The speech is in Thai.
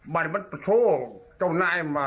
บ้านจุดพ่อประโชคเจ้าหน้ามา